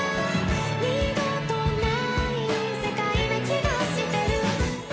「二度とない世界な気がしてる」